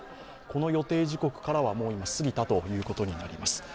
この予定時刻からは、もう過ぎたということになります。